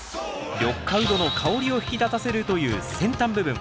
緑化ウドの香りを引き立たせるという先端部分。